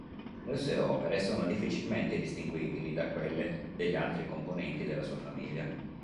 Le sue opere sono difficilmente distinguibili da quelle degli altri componenti della sua famiglia.